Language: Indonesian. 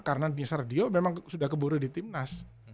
karena nizar dan dio memang sudah keburu di timnas